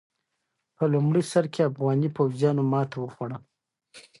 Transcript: په لومړي سر کې افغاني پوځيانو ماته وخوړه.